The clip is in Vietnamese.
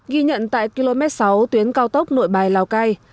ghi nhận tại km sáu tuyến cao tốc nội bài lào cai